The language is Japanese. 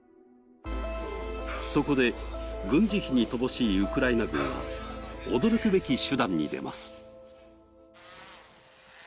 そこで軍事費に乏しいウクライナ軍は驚くべき手段に出ます。